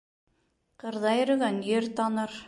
Ҡырҙа йөрөгән ер таныр.